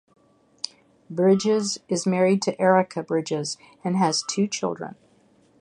Bridges is married to Erica Bridges and has two children.